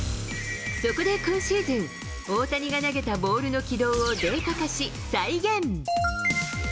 そこで今シーズン、大谷が投げたボールの軌道をデータ化し、再現。